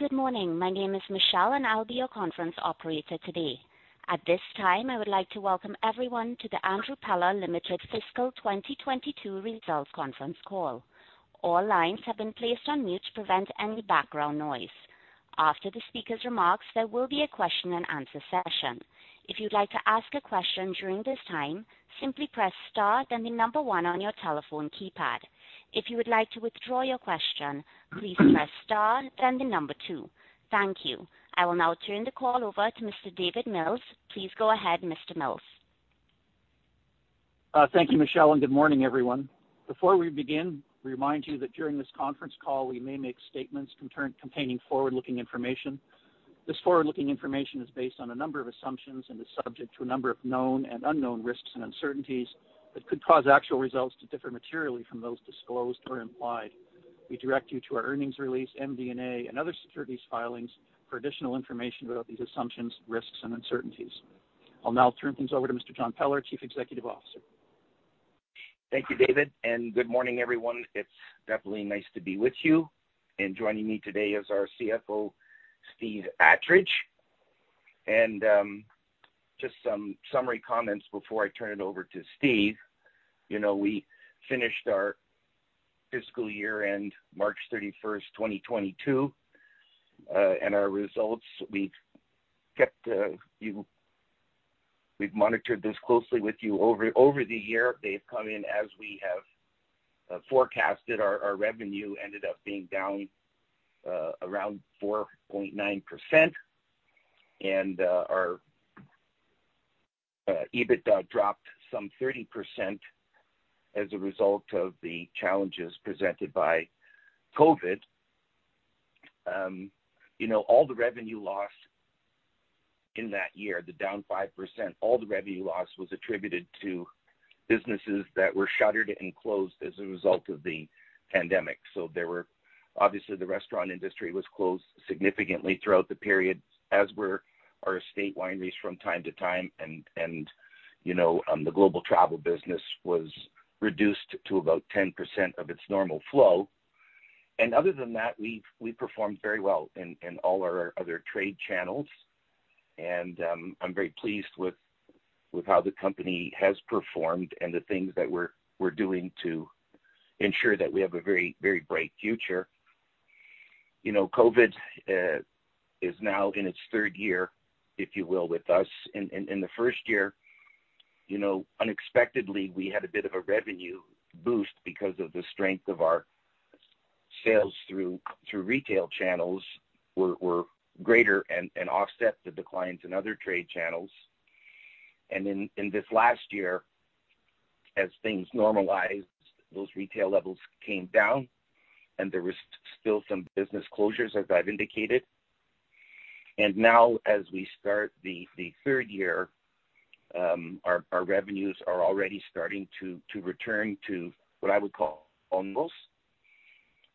Good morning. My name is Michelle, and I'll be your conference operator today. At this time, I would like to welcome everyone to the Andrew Peller Limited Fiscal 2022 Results Conference Call. All lines have been placed on mute to prevent any background noise. After the speaker's remarks, there will be a question-and-answer session. If you'd like to ask a question during this time, simply press star, then the number one on your telephone keypad. If you would like to withdraw your question, please press star, then the number two. Thank you. I will now turn the call over to Mr. David Mills. Please go ahead, Mr. Mills. Thank you, Michelle, and good morning, everyone. Before we begin, we remind you that during this conference call, we may make statements containing forward-looking information. This forward-looking information is based on a number of assumptions and is subject to a number of known and unknown risks and uncertainties that could cause actual results to differ materially from those disclosed or implied. We direct you to our earnings release, MD&A and other Securities filings for additional information about these assumptions, risks and uncertainties. I'll now turn things over to Mr. John Peller, Chief Executive Officer. Thank you, David, and good morning, everyone. It's definitely nice to be with you. Joining me today is our CFO, Steve Attridge. Just some summary comments before I turn it over to Steve. You know, we finished our fiscal year end March 31, 2022, and our results. We've monitored this closely with you over the year. They've come in as we have forecasted. Our revenue ended up being down around 4.9%, and our EBITDA dropped some 30% as a result of the challenges presented by COVID. You know, all the revenue lost in that year, the down 5%, all the revenue loss was attributed to businesses that were shuttered and closed as a result of the pandemic. Obviously, the restaurant industry was closed significantly throughout the period, as were our estate wineries from time to time. You know, the global travel business was reduced to about 10% of its normal flow. Other than that, we performed very well in all our other trade channels. I'm very pleased with how the company has performed and the things that we're doing to ensure that we have a very bright future. You know, COVID is now in its third year, if you will, with us. In the first year, you know, unexpectedly, we had a bit of a revenue boost because of the strength of our sales through retail channels were greater and offset the declines in other trade channels. In this last year, as things normalized, those retail levels came down, and there was still some business closures, as I've indicated. Now, as we start the third year, our revenues are already starting to return to what I would call almost.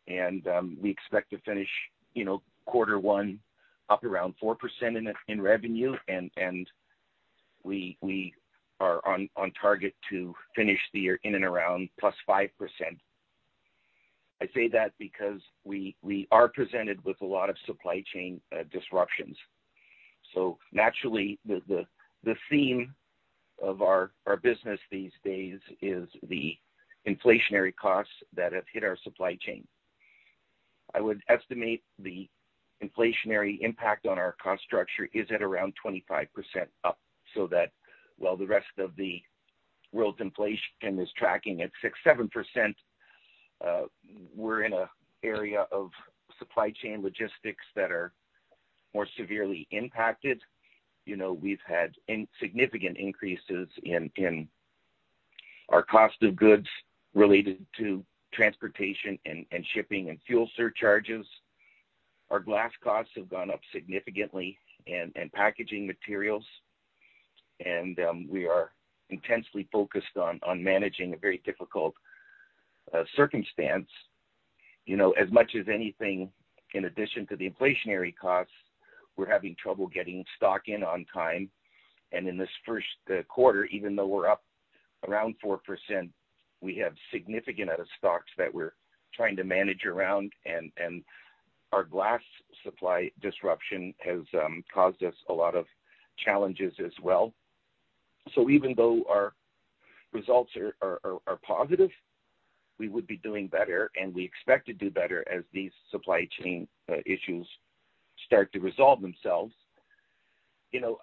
We expect to finish, you know, quarter one up around 4% in revenue, and we are on target to finish the year in and around +5%. I say that because we are presented with a lot of supply chain disruptions. Naturally, the theme of our business these days is the inflationary costs that have hit our supply chain. I would estimate the inflationary impact on our cost structure is at around 25% up, so that while the rest of the world's inflation is tracking at 6%-7%, we're in an area of supply chain logistics that are more severely impacted. You know, we've had significant increases in our cost of goods related to transportation and shipping and fuel surcharges. Our glass costs have gone up significantly and packaging materials. We are intensely focused on managing a very difficult circumstance. You know, as much as anything, in addition to the inflationary costs, we're having trouble getting stock in on time. In this first quarter, even though we're up around 4%, we have significant out of stocks that we're trying to manage around. Our glass supply disruption has caused us a lot of challenges as well. Even though our results are positive, we would be doing better and we expect to do better as these supply chain issues start to resolve themselves. You know,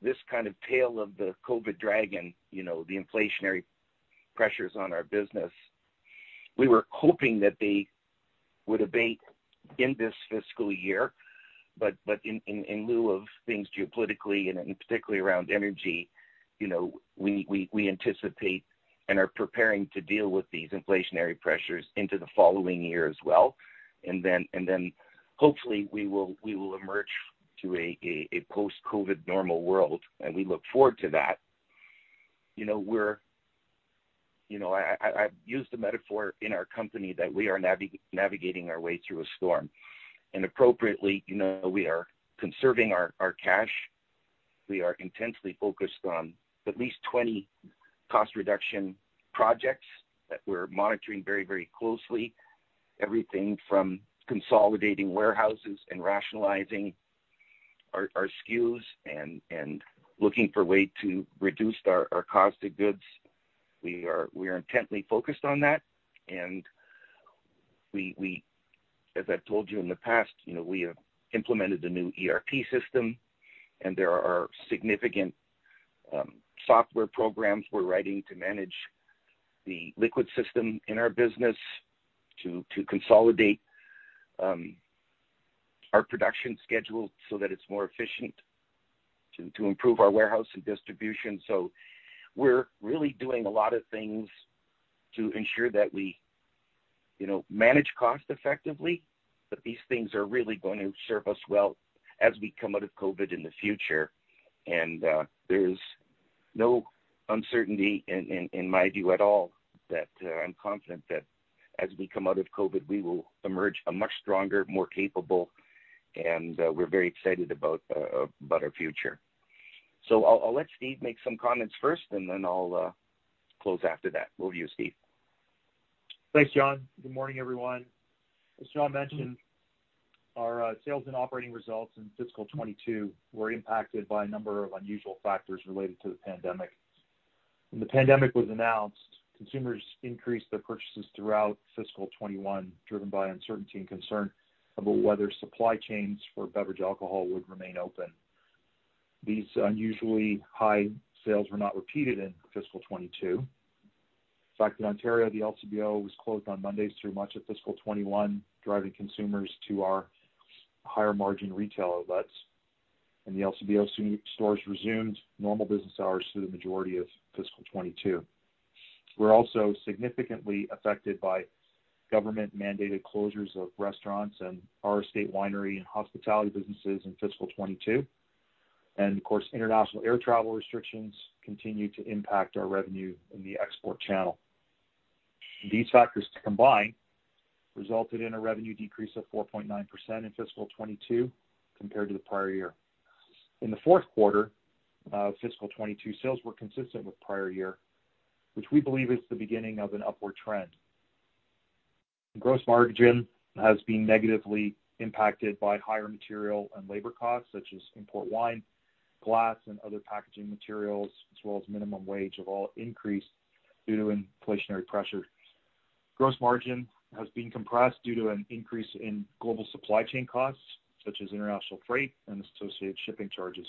this kind of tale of the COVID dragon, you know, the inflationary pressures on our business, we were hoping that they would abate in this fiscal year. In lieu of things geopolitically and particularly around energy, you know, we anticipate and are preparing to deal with these inflationary pressures into the following year as well. Hopefully we will emerge to a post-COVID normal world, and we look forward to that. You know, we're You know, I've used the metaphor in our company that we are navigating our way through a storm, and appropriately, you know, we are conserving our cash. We are intensely focused on at least 20 cost reduction projects that we're monitoring very, very closely. Everything from consolidating warehouses and rationalizing our SKUs and looking for a way to reduce our cost of goods. We are intently focused on that. As I've told you in the past, you know, we have implemented the new ERP system, and there are significant software programs we're writing to manage the liquid system in our business to consolidate our production schedule so that it's more efficient to improve our warehouse and distribution. We're really doing a lot of things to ensure that we, you know, manage cost effectively, that these things are really going to serve us well as we come out of COVID in the future. There's no uncertainty in my view at all that I'm confident that as we come out of COVID, we will emerge a much stronger, more capable, and we're very excited about our future. I'll let Steve make some comments first, and then I'll close after that. Over to you, Steve. Thanks, John. Good morning, everyone. As John mentioned, our sales and operating results in fiscal 2022 were impacted by a number of unusual factors related to the pandemic. When the pandemic was announced, consumers increased their purchases throughout fiscal 2021, driven by uncertainty and concern about whether supply chains for beverage alcohol would remain open. These unusually high sales were not repeated in fiscal 2022. In fact, in Ontario, the LCBO was closed on Mondays through much of fiscal 2021, driving consumers to our higher margin retail outlets, and the LCBO stores resumed normal business hours through the majority of fiscal 2022. We're also significantly affected by government-mandated closures of restaurants and our estate winery and hospitality businesses in fiscal 2022. Of course, international air travel restrictions continue to impact our revenue in the export channel. These factors combined resulted in a revenue decrease of 4.9% in fiscal 2022 compared to the prior year. In the fourth quarter of fiscal 2022, sales were consistent with prior year, which we believe is the beginning of an upward trend. Gross margin has been negatively impacted by higher material and labor costs, such as import wine, glass, and other packaging materials, as well as minimum wage have all increased due to inflationary pressure. Gross margin has been compressed due to an increase in global supply chain costs, such as international freight and associated shipping charges.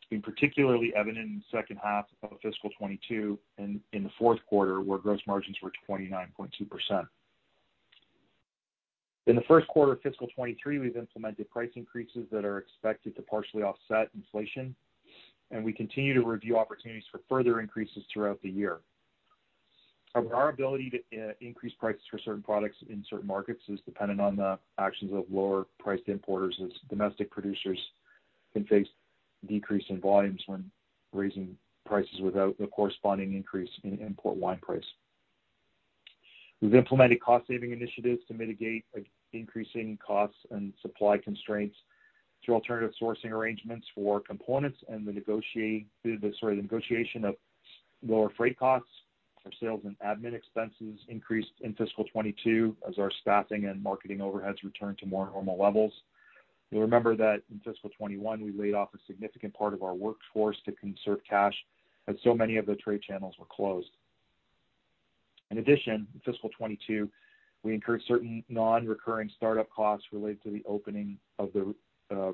It's been particularly evident in the second half of fiscal 2022 and in the fourth quarter, where gross margins were 29.2%. In the first quarter of fiscal 2023, we've implemented price increases that are expected to partially offset inflation, and we continue to review opportunities for further increases throughout the year. Our ability to increase prices for certain products in certain markets is dependent on the actions of lower-priced importers, as domestic producers can face decrease in volumes when raising prices without the corresponding increase in import wine price. We've implemented cost saving initiatives to mitigate increasing costs and supply constraints through alternative sourcing arrangements for components and the negotiation of lower freight costs. Our sales and admin expenses increased in fiscal 2022 as our staffing and marketing overheads returned to more normal levels. You'll remember that in fiscal 2021, we laid off a significant part of our workforce to conserve cash, as so many of the trade channels were closed. In addition, in fiscal 2022, we incurred certain non-recurring startup costs related to the opening of the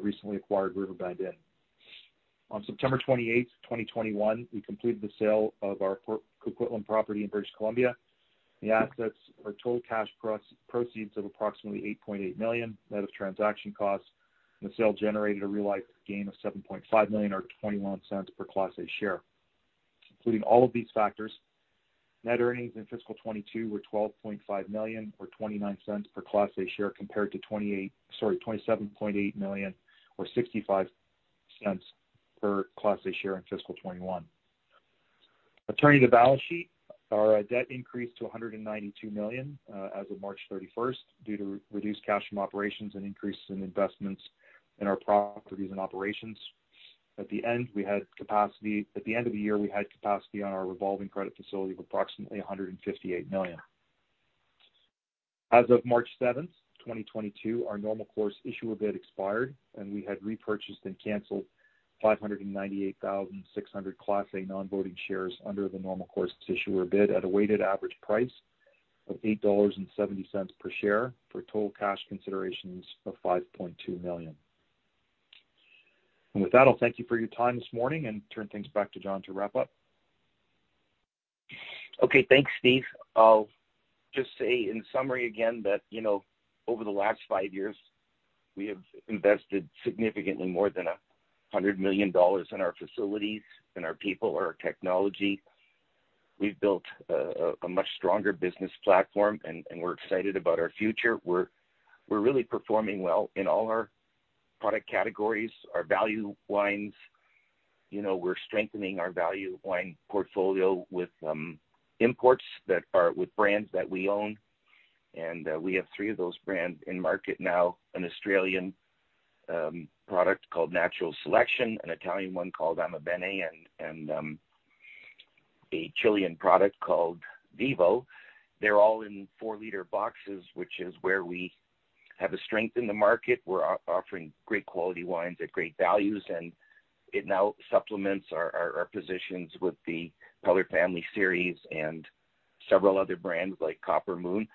recently acquired Riverbend Inn. On September 28, 2021, we completed the sale of our Coquitlam property in British Columbia. The total cash proceeds of approximately 8.8 million net of transaction costs. The sale generated a realized gain of 7.5 million or 0.21 per Class A share. Including all of these factors, net earnings in fiscal 2022 were 12.5 million or 0.29 per Class A share, compared to 27.8 million or 0.65 per Class A share in fiscal 2021. Turning to the balance sheet, our debt increased to 192 million as of March 31 due to reduced cash from operations and increases in investments in our properties and operations. At the end of the year, we had capacity on our revolving credit facility of approximately 158 million. As of March 7, 2022, our normal course issuer bid expired, and we had repurchased and canceled 598,600 Class A non-voting shares under the normal course issuer bid at a weighted average price of 8.70 dollars per share for total cash considerations of 5.2 million. With that, I'll thank you for your time this morning and turn things back to John to wrap up. Okay. Thanks, Steve. I'll just say in summary again that, you know, over the last five years, we have invested significantly more than 100 million dollars in our facilities, in our people, our technology. We've built a much stronger business platform, and we're excited about our future. We're really performing well in all our product categories. Our value wines, you know, we're strengthening our value wine portfolio with imports that are with brands that we own. We have three of those brands in market now, an Australian product called Natural Selection, an Italian one called Ama Bène, and a Chilean product called Vivo. They're all in 4-liter boxes, which is where we have a strength in the market. We're offering great quality wines at great values, and it now supplements our positions with the Peller Family series and several other brands like Copper Moon.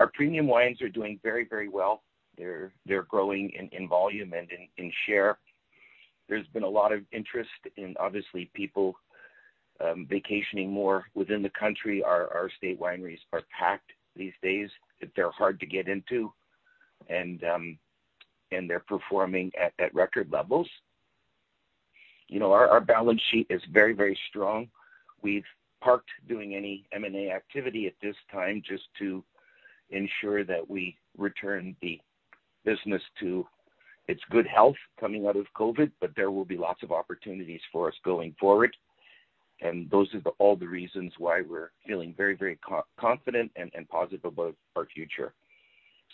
Our premium wines are doing very, very well. They're growing in volume and in share. There's been a lot of interest in, obviously, people vacationing more within the country. Our estate wineries are packed these days. They're hard to get into. They're performing at record levels. You know, our balance sheet is very, very strong. We've paused doing any M&A activity at this time just to ensure that we return the business to its good health coming out of COVID, but there will be lots of opportunities for us going forward. Those are all the reasons why we're feeling very, very confident and positive about our future.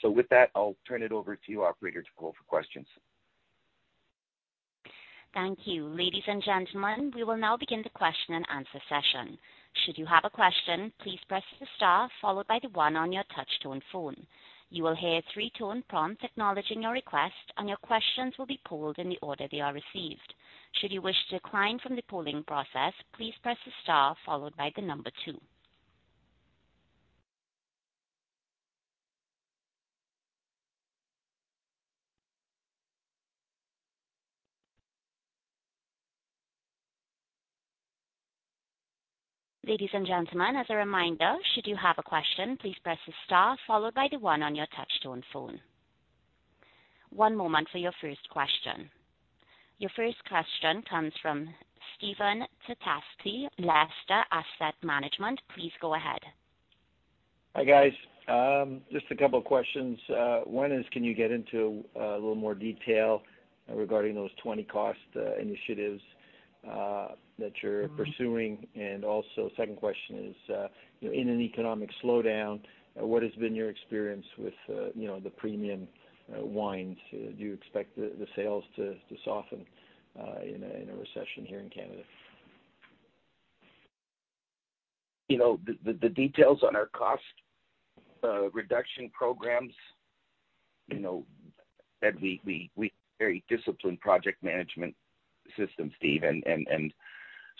With that, I'll turn it over to you, operator, to call for questions. Thank you. Ladies and gentlemen, we will now begin the question-and-answer session. Should you have a question, please press the star followed by the one on your touch-tone phone. You will hear three-tone prompts acknowledging your request, and your questions will be pooled in the order they are received. Should you wish to decline from the polling process, please press the star followed by the number two. Ladies and gentlemen, as a reminder, should you have a question, please press the star followed by the one on your touchtone phone. One moment for your first question. Your first question comes from Stephen Takacsy, Lester Asset Management. Please go ahead. Hi, guys. Just a couple of questions. One is, can you get into a little more detail regarding those 20 cost initiatives that you're pursuing? Second question is, you know, in an economic slowdown, what has been your experience with, you know, the premium wines? Do you expect the sales to soften in a recession here in Canada? You know, the details on our cost reduction programs, you know, that we very disciplined project management system, Steve.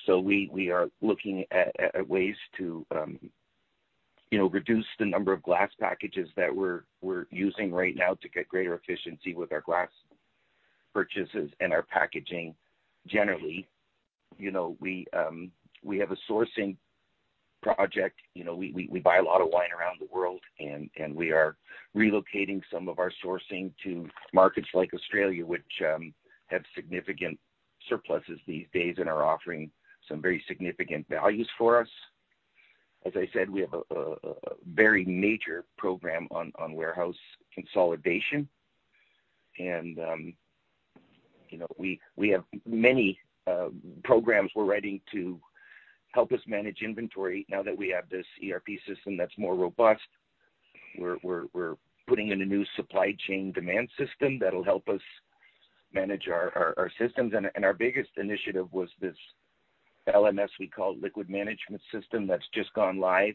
We are looking at ways to, you know, reduce the number of glass packages that we're using right now to get greater efficiency with our glass purchases and our packaging generally. You know, we have a sourcing project. You know, we buy a lot of wine around the world, and we are relocating some of our sourcing to markets like Australia, which have significant surpluses these days and are offering some very significant values for us. As I said, we have a very major program on warehouse consolidation. You know, we have many programs we're writing to help us manage inventory now that we have this ERP system that's more robust. We're putting in a new supply chain demand system that'll help us manage our systems. Our biggest initiative was this LMS, we call it, Liquid Management System, that's just gone live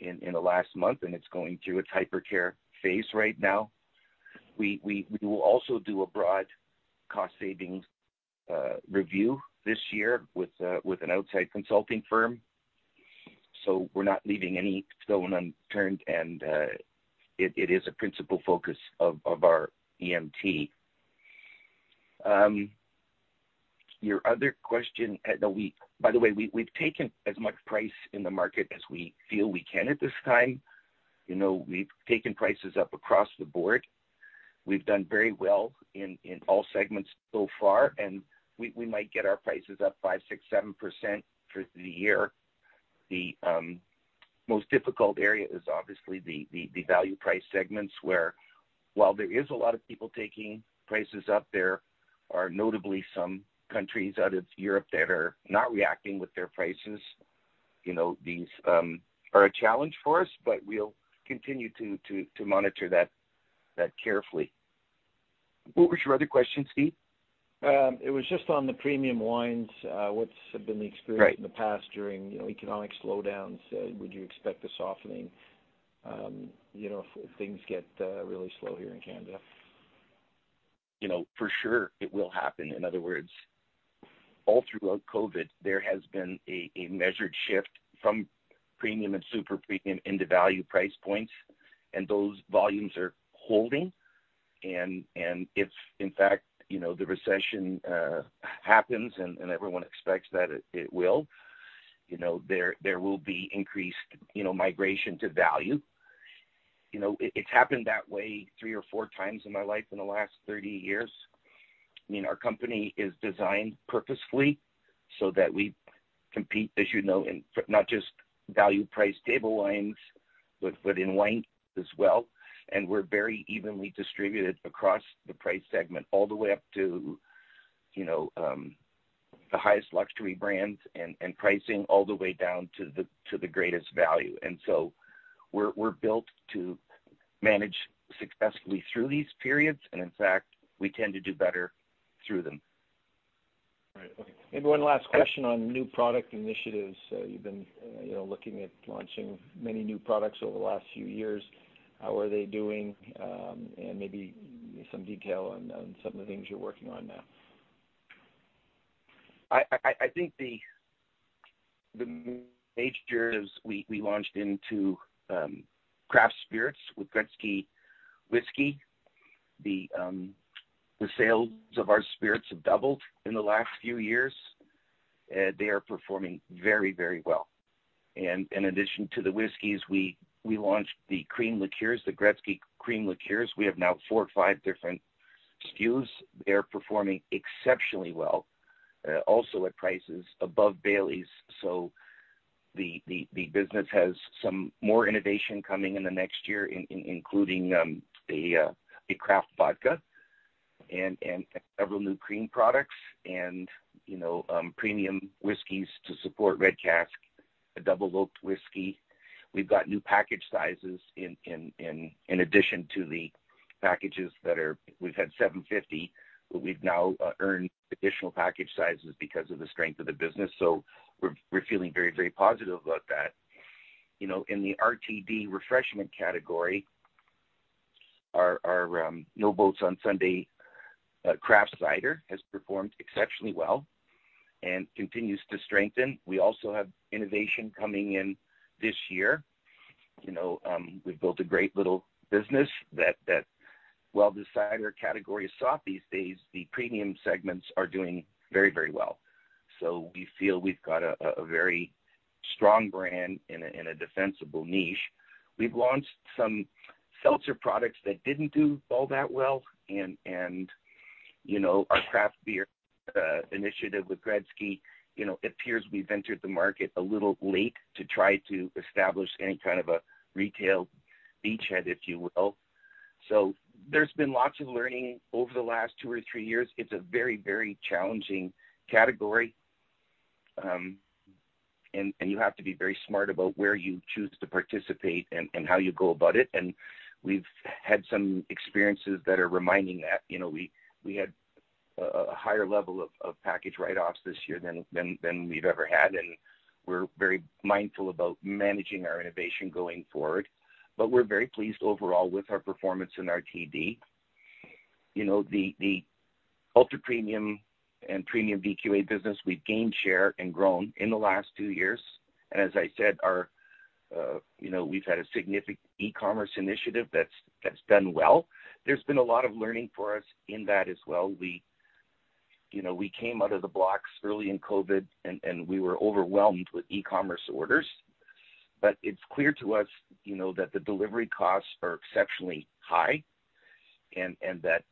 in the last month, and it's going through its hypercare phase right now. We will also do a broad cost savings review this year with an outside consulting firm. We're not leaving any stone unturned, and it is a principal focus of our EMT. Your other question, no, by the way, we've taken as much price in the market as we feel we can at this time. You know, we've taken prices up across the board. We've done very well in all segments so far, and we might get our prices up 5%, 6%, 7% through the year. The most difficult area is obviously the value price segments, where while there is a lot of people taking prices up, there are notably some countries out of Europe that are not reacting with their prices. You know, these are a challenge for us, but we'll continue to monitor that carefully. What was your other question, Steve? It was just on the premium wines. What's been the experience- Right. In the past during, you know, economic slowdowns? Would you expect a softening, you know, if things get really slow here in Canada? You know, for sure it will happen. In other words, all throughout COVID, there has been a measured shift from premium and super premium into value price points, and those volumes are holding. If in fact, you know, the recession happens, and everyone expects that it will, you know, there will be increased, you know, migration to value. You know, it's happened that way three or four times in my life in the last 30 years. I mean, our company is designed purposefully so that we compete, as you know, in not just value-priced table wines, but in wine as well. We're very evenly distributed across the price segment all the way up to, you know, the highest luxury brands and pricing all the way down to the greatest value. We're built to manage successfully through these periods, and in fact, we tend to do better through them. Right. Okay. Maybe one last question on new product initiatives. You've been, you know, looking at launching many new products over the last few years. How are they doing? And maybe some detail on some of the things you're working on now. I think the major is we launched into craft spirits with Gretzky Whisky. The sales of our spirits have doubled in the last few years. They are performing very well. In addition to the whiskeys, we launched the Cream Liqueurs, the Gretzky Cream Liqueurs. We have now four or five different SKUs. They're performing exceptionally well, also at prices above Baileys. The business has some more innovation coming in the next year, including a craft vodka and several new cream products and, you know, premium whiskeys to support Red Cask, a double malt whiskey. We've got new package sizes in addition to the packages that are. We've had 750, but we've now earned additional package sizes because of the strength of the business. We're feeling very, very positive about that. You know, in the RTD refreshment category, our No Boats on Sunday craft cider has performed exceptionally well and continues to strengthen. We also have innovation coming in this year. You know, we've built a great little business that while the cider category is soft these days, the premium segments are doing very, very well. We feel we've got a very strong brand in a defensible niche. We've launched some seltzer products that didn't do all that well. You know, our craft beer initiative with Gretzky, you know, it appears we've entered the market a little late to try to establish any kind of a retail beachhead, if you will. There's been lots of learning over the last two or three years. It's a very, very challenging category. You have to be very smart about where you choose to participate and how you go about it. We've had some experiences that are reminding that. You know, we had a higher level of package write-offs this year than we've ever had, and we're very mindful about managing our innovation going forward. We're very pleased overall with our performance in RTD. You know, the ultra premium and premium VQA business, we've gained share and grown in the last two years. As I said, you know, we've had a significant e-commerce initiative that's done well. There's been a lot of learning for us in that as well. You know, we came out of the blocks early in COVID, and we were overwhelmed with e-commerce orders. It's clear to us, you know, that the delivery costs are exceptionally high and that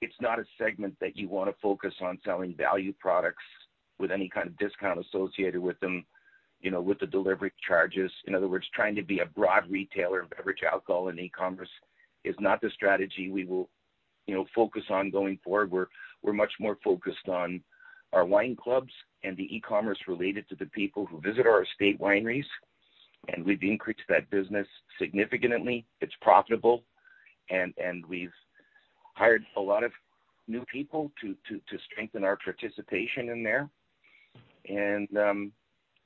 it's not a segment that you wanna focus on selling value products with any kind of discount associated with them, you know, with the delivery charges. In other words, trying to be a broad retailer of beverage alcohol in e-commerce is not the strategy we will, you know, focus on going forward. We're much more focused on our wine clubs and the e-commerce related to the people who visit our estate wineries, and we've increased that business significantly. It's profitable, and we've hired a lot of new people to strengthen our participation in there.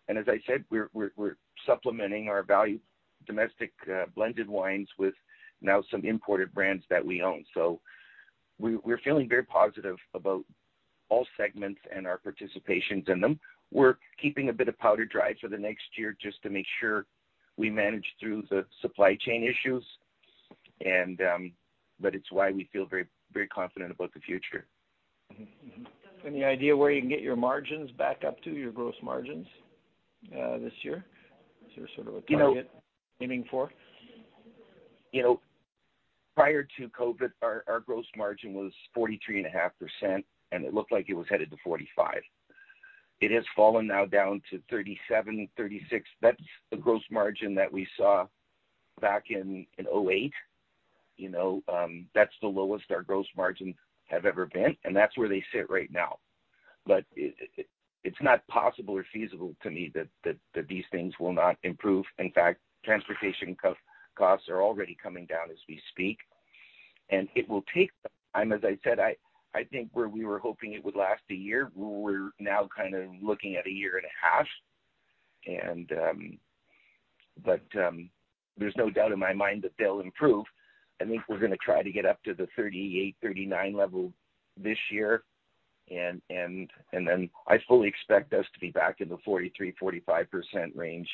As I said, we're supplementing our value domestic blended wines with now some imported brands that we own. We're feeling very positive about all segments and our participation in them. We're keeping a bit of powder dry for the next year just to make sure we manage through the supply chain issues and, but it's why we feel very, very confident about the future. Any idea where you can get your margins back up to, your gross margins, this year? Is there sort of a target aiming for? You know, prior to COVID, our gross margin was 43.5%, and it looked like it was headed to 45%. It has fallen now down to 37%-36%. That's the gross margin that we saw back in 2008. You know, that's the lowest our gross margin have ever been, and that's where they sit right now. It's not possible or feasible to me that these things will not improve. In fact, transportation costs are already coming down as we speak, and it will take some time. As I said, I think where we were hoping it would last a year, we're now kind of looking at a year and a half. There's no doubt in my mind that they'll improve. I think we're gonna try to get up to the 38%-39% level this year, and then I fully expect us to be back in the 43%-45% range,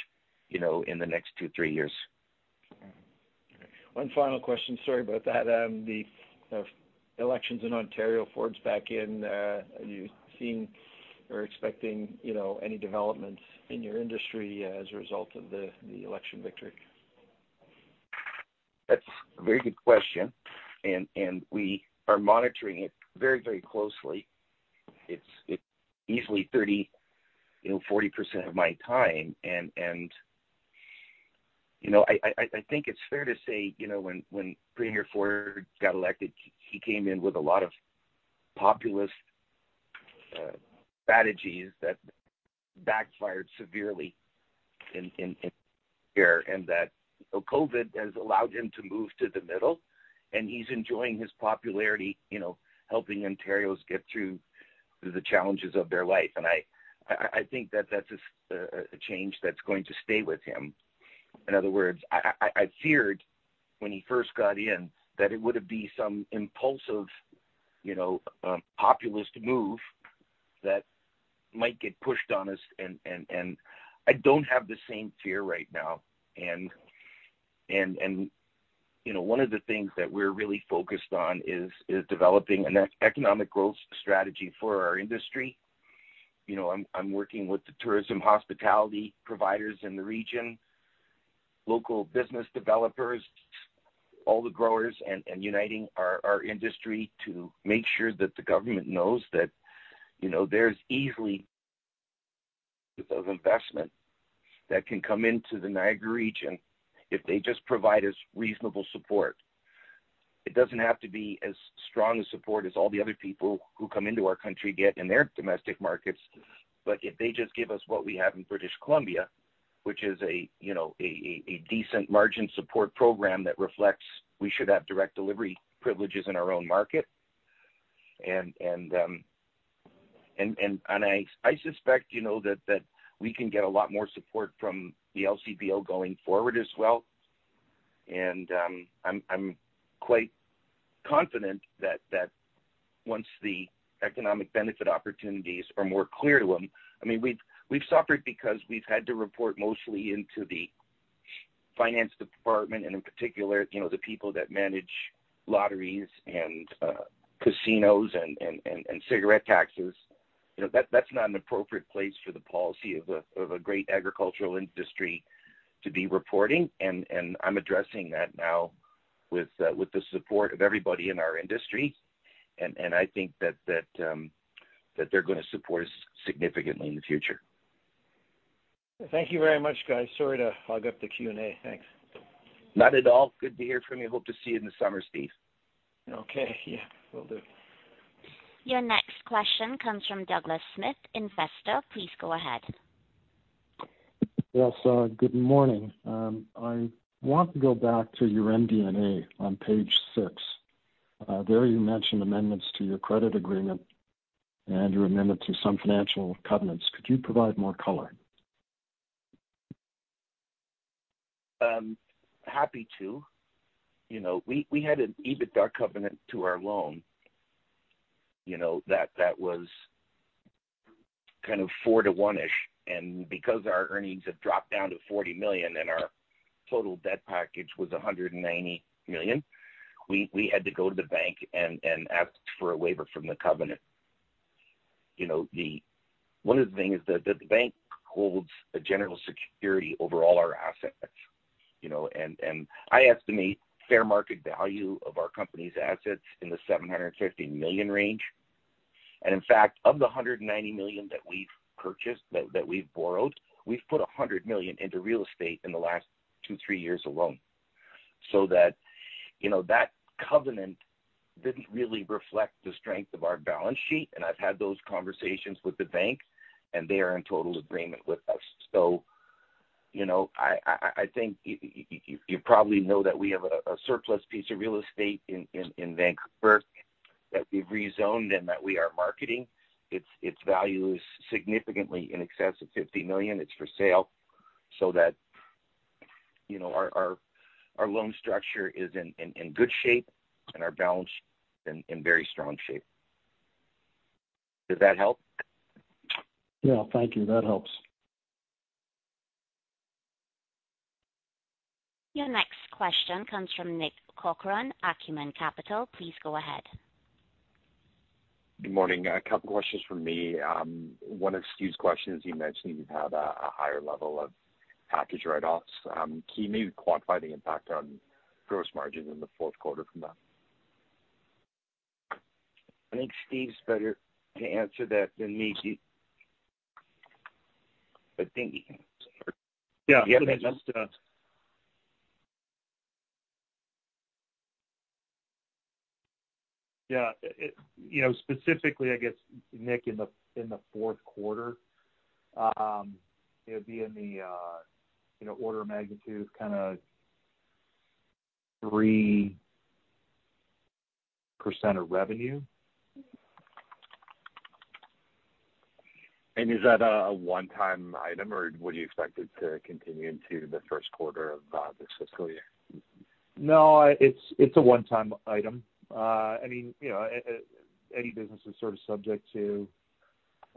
you know, in the next two-three years. One final question. Sorry about that. The elections in Ontario, Ford's back in. Are you seeing or expecting, you know, any developments in your industry as a result of the election victory? That's a very good question. We are monitoring it very, very closely. It's easily 30, you know, 40% of my time. You know, I think it's fair to say, you know, when Premier Ford got elected, he came in with a lot of populist strategies that backfired severely in here, and that COVID has allowed him to move to the middle, and he's enjoying his popularity, you know, helping Ontarians get through the challenges of their life. I think that that's a change that's going to stay with him. In other words, I feared when he first got in that it would be some impulsive, you know, populist move that might get pushed on us and I don't have the same fear right now. You know, one of the things that we're really focused on is developing an economic growth strategy for our industry. You know, I'm working with the tourism hospitality providers in the region, local business developers, all the growers and uniting our industry to make sure that the government knows that, you know, there's ease of investment that can come into the Niagara region if they just provide us reasonable support. It doesn't have to be as strong a support as all the other people who come into our country get in their domestic markets. If they just give us what we have in British Columbia, which is, you know, a decent margin support program that reflects we should have direct delivery privileges in our own market. I suspect, you know, that we can get a lot more support from the LCBO going forward as well. I'm quite confident that once the economic benefit opportunities are more clear to them. I mean, we've suffered because we've had to report mostly into the finance department and in particular, you know, the people that manage lotteries and casinos and cigarette taxes. You know, that's not an appropriate place for the policy of a great agricultural industry to be reporting. I'm addressing that now with the support of everybody in our industry. I think that they're gonna support us significantly in the future. Thank you very much, guys. Sorry to hog up the Q&A. Thanks. Not at all. Good to hear from you. Hope to see you in the summer, Steve. Okay. Yeah, will do. Your next question comes from Douglas Smith, Investor. Please go ahead. Yes. Good morning. I want to go back to your MD&A on page six. There you mentioned amendments to your credit agreement and your amendment to some financial covenants. Could you provide more color? Happy to. You know, we had an EBITDA covenant to our loan, you know, that was kind of four-to-one-ish. Because our earnings have dropped down to 40 million and our total debt package was 190 million, we had to go to the bank and ask for a waiver from the covenant. You know, one of the things is that the bank holds a general security over all our assets, you know, and I estimate fair market value of our company's assets in the 750 million range. In fact, of the 190 million that we've borrowed, we've put 100 million into real estate in the last two, three years alone. That covenant didn't really reflect the strength of our balance sheet, and I've had those conversations with the bank, and they are in total agreement with us. You know, I think you probably know that we have a surplus piece of real estate in Vancouver that we've rezoned and that we are marketing. Its value is significantly in excess of 50 million. It's for sale so that, you know, our loan structure is in good shape and our balance sheet in very strong shape. Does that help? Yeah. Thank you. That helps. Your next question comes from Nick Corcoran, Acumen Capital. Please go ahead. Good morning. A couple questions from me. One of Steve's questions, you mentioned you have a higher level of package write-offs. Can you maybe quantify the impact on gross margin in the fourth quarter from that? I think Steve's better to answer that than me. I think he can answer. Yeah. Yeah. Yeah. You know, specifically I guess, Nick, in the fourth quarter, it'd be in the you know, order of magnitude kind of 3% of revenue. Is that a one-time item, or would you expect it to continue into the first quarter of this fiscal year? No, it's a one-time item. I mean, you know, any business is sort of subject to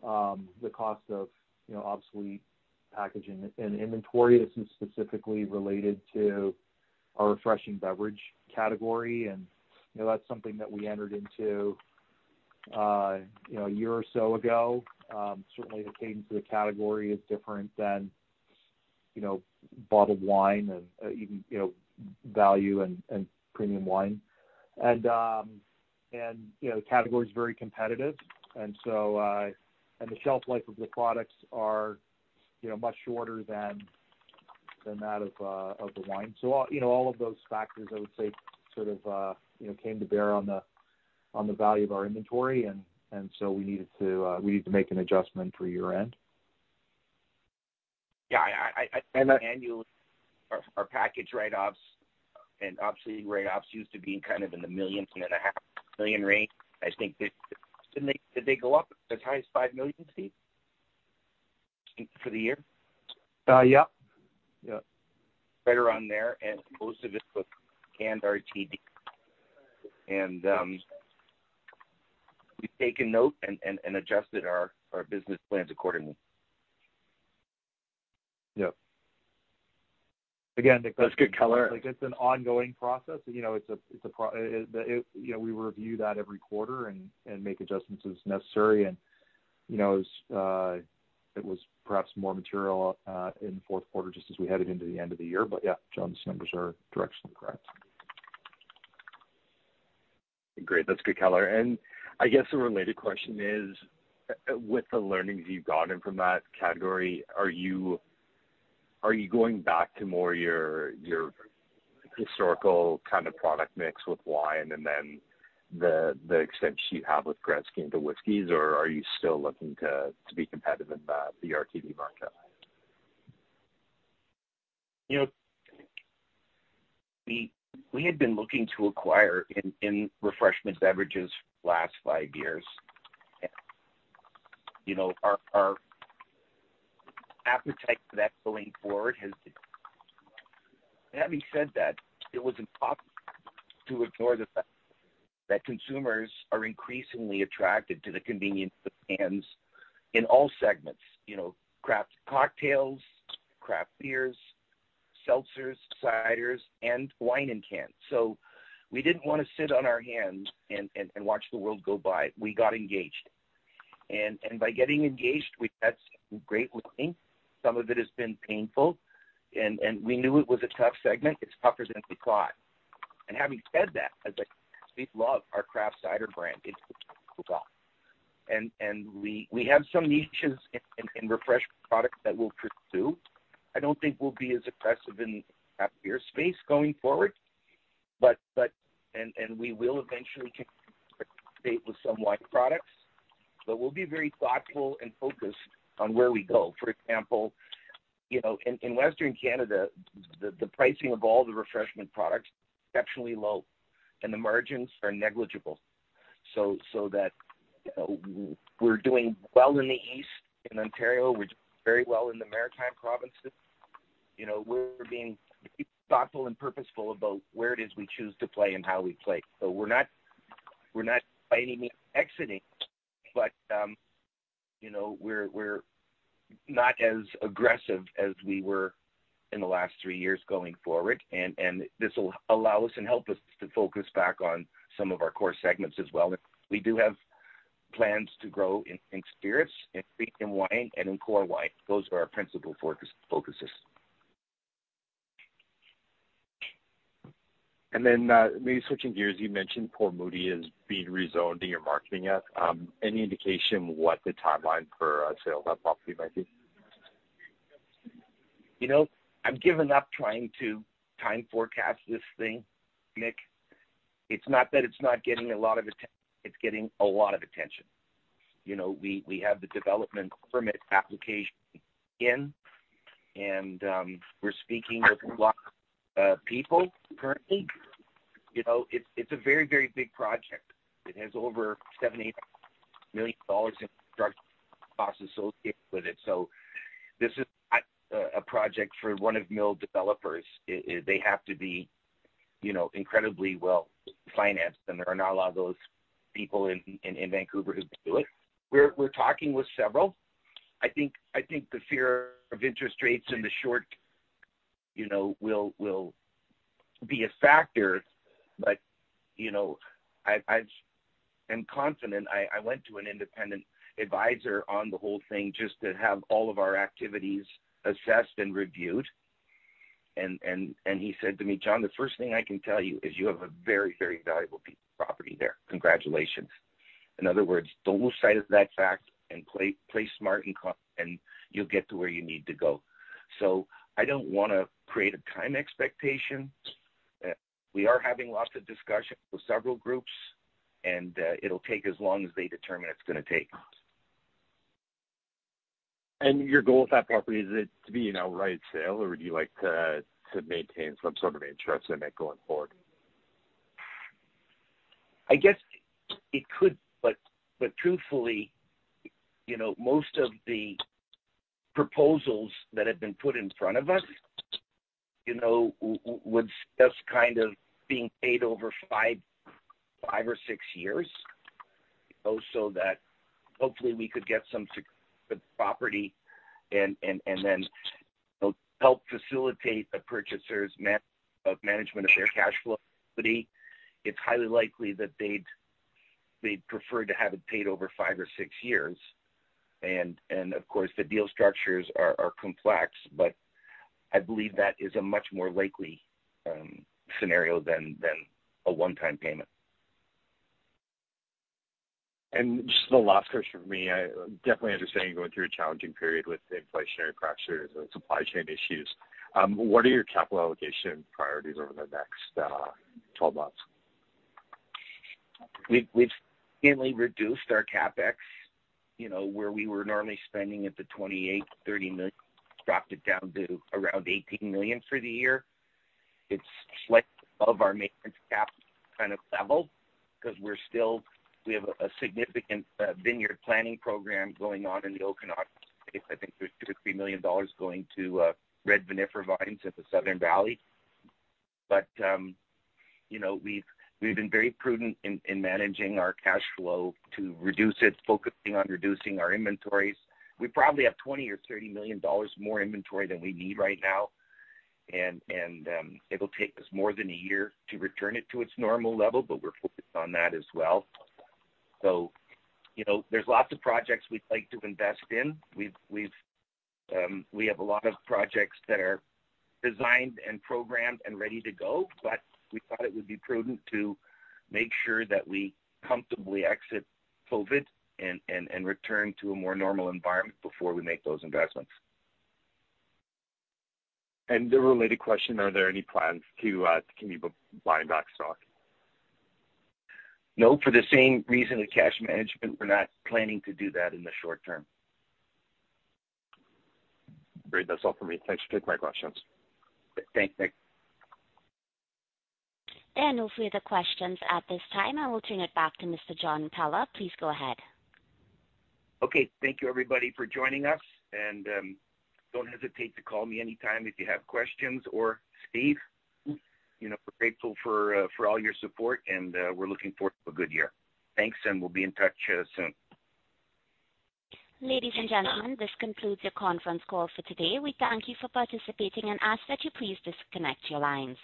the cost of, you know, obsolete packaging and inventory. This is specifically related to our refreshing beverage category. You know, that's something that we entered into, you know, a year or so ago. Certainly the cadence of the category is different than, you know, bottled wine and even, you know. Value and premium wine. You know, the category is very competitive. The shelf life of the products are, you know, much shorter than that of the wine. You know, all of those factors, I would say, sort of, you know, came to bear on the value of our inventory. We needed to make an adjustment for year-end. Yeah. And the- Annually our package write-offs and obsolete write-offs used to be kind of in the 1 million-1.5 million range. I think. Did they go up as high as 5 million, Steve, for the year? Yep. Yep. Right around there. Most of it was canned RTD. We've taken note and adjusted our business plans accordingly. Yep. Again, Nick, that's That's good color. Like, it's an ongoing process. You know, we review that every quarter and make adjustments as necessary. You know, it was perhaps more material in the fourth quarter just as we headed into the end of the year. Yeah, John's numbers are directionally correct. Great. That's good color. I guess a related question is, with the learnings you've gotten from that category, are you going back to more your historical kind of product mix with wine and then the extension you have with Gretzky and the whiskeys, or are you still looking to be competitive in the RTD market? You know, we had been looking to acquire in refreshment beverages for the last five years. You know, our appetite for that going forward. Having said that, it was impossible to ignore the fact that consumers are increasingly attracted to the convenience of cans in all segments. You know, craft cocktails, craft beers, seltzers, ciders, and wine in cans. We didn't want to sit on our hands and watch the world go by. We got engaged. By getting engaged, we've had some great learning. Some of it has been painful and we knew it was a tough segment. It's tougher than we thought. Having said that, we love our craft cider brand, and we have some niches in refreshment products that we'll pursue. I don't think we'll be as aggressive in the craft beer space going forward. We will eventually with some wine products, but we'll be very thoughtful and focused on where we go. For example, you know, in Western Canada, the pricing of all the refreshment products are exceptionally low, and the margins are negligible. That we're doing well in the East, in Ontario. We're doing very well in the Maritime provinces. You know, we're being thoughtful and purposeful about where it is we choose to play and how we play. We're not by any means exiting. You know, we're not as aggressive as we were in the last three years going forward, and this will allow us and help us to focus back on some of our core segments as well. We do have plans to grow in spirits, in wine and in core wine. Those are our principal focuses. Maybe switching gears, you mentioned Port Moody is being rezoned in your MD&A. Any indication what the timeline for the sale of the property might be? You know, I've given up trying to time forecast this thing, Nick. It's not that it's not getting a lot of attention. It's getting a lot of attention. You know, we have the development permit application in, and we're speaking with a lot of people currently. You know, it's a very big project. It has over 78 million dollars in construction costs associated with it. So this is not a project for mom-and-pop developers. They have to be, you know, incredibly well financed, and there are not a lot of those people in Vancouver who can do it. We're talking with several. I think the fear of interest rates in the short, you know, will be a factor. You know, I am confident I went to an independent advisor on the whole thing just to have all of our activities assessed and reviewed. He said to me, John, the first thing I can tell you is you have a very, very valuable piece of property there. Congratulations. In other words, don't lose sight of that fact and play smart and you'll get to where you need to go. I don't wanna create a time expectation. We are having lots of discussions with several groups, and it'll take as long as they determine it's gonna take. Your goal with that property, is it to be an outright sale, or would you like to maintain some sort of interest in it going forward? I guess it could, but truthfully, you know, most of the proposals that have been put in front of us, you know, would discuss kind of being paid over five or six years. Also, that hopefully we could get some security on the property and then help facilitate a purchaser's manner of management of their cash flow ability. It's highly likely that they'd prefer to have it paid over five or six years. Of course, the deal structures are complex, but I believe that is a much more likely scenario than a one-time payment. Just the last question for me. I definitely understand you're going through a challenging period with the inflationary pressures and supply chain issues. What are your capital allocation priorities over the next 12 months? We've significantly reduced our CAPEX, you know, where we were normally spending at the 28 million- 30 million, dropped it down to around 18 million for the year. It's slightly above our maintenance CapEx kind of level because we're still, we have a significant vineyard planning program going on in the South Okanagan Valley. I think there's 50 million dollars going to red vinifera vines in the South Okanagan Valley. You know, we've been very prudent in managing our cash flow to reduce it, focusing on reducing our inventories. We probably have 20 million or 30 million dollars more inventory than we need right now, and it'll take us more than a year to return it to its normal level, but we're focused on that as well. You know, there's lots of projects we'd like to invest in. We've we have a lot of projects that are designed and programmed and ready to go, but we thought it would be prudent to make sure that we comfortably exit COVID and return to a more normal environment before we make those investments. The related question, can you buy back stock? No. For the same reason, the cash management, we're not planning to do that in the short term. Great. That's all for me. Thanks for taking my questions. Thanks, Nick. Those were the questions at this time. I will turn it back to Mr. John Peller. Please go ahead. Okay. Thank you, everybody, for joining us. Don't hesitate to call me anytime if you have questions, or Steve. You know, we're grateful for all your support, and we're looking forward to a good year. Thanks, and we'll be in touch soon. Ladies and gentlemen, this concludes your conference call for today. We thank you for participating and ask that you please disconnect your lines.